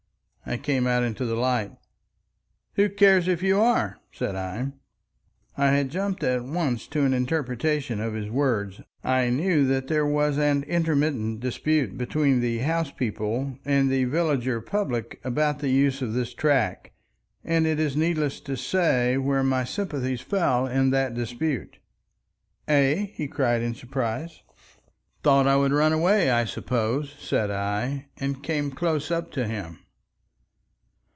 I came out into the light. "Who cares if you are?" said I. I had jumped at once to an interpretation of his words. I knew that there was an intermittent dispute between the House people and the villager public about the use of this track, and it is needless to say where my sympathies fell in that dispute. "Eh?" he cried in surprise. "Thought I would run away, I suppose," said I, and came close up to him.